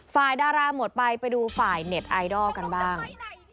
ดาราหมดไปไปดูฝ่ายเน็ตไอดอลกันบ้าง